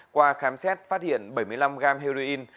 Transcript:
qua khám xét phát hiện bảy mươi năm gram heroin